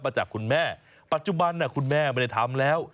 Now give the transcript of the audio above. จากคุณแม่ปัจจุบันคุณแม่ไม่ได้ทำแล้ว